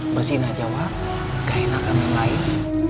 bersihin aja wak gak enak kami main